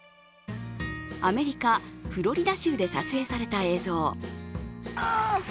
アメリカ・フロリダ州で撮影された映像。